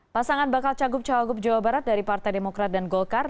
pasangan bakal cagup cawagup jawa barat dari partai demokrat dan golkar